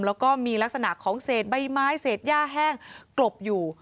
แล้วก็มีลักษณะของเศษใบไม้เศษย่าแห้งกลบอยู่